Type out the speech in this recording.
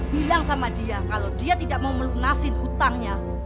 bilang sama dia kalau dia tidak mau melunasin hutangnya